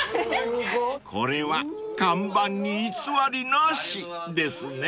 ［これは看板に偽りなしですね］